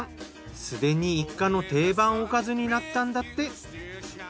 すでに一家の定番おかずになったんだって。